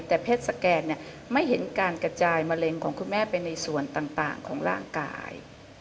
แต่เพศสแกนไม่เห็นการกระจายมะเร็งของคุณแม่ไปในส่วนต่างของร่างกาย